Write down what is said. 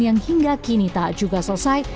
yang hingga kini tak juga selesai